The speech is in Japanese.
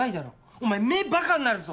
お前目バカになるぞ！